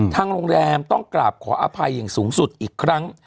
ทางโรงแรมต้องกราบขออภัยอย่างสูงสุดอีกครั้ง